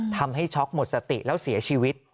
ทำให้ช็อกหมดสติแล้วเสียชีวิต